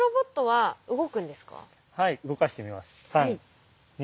はい動かしてみます。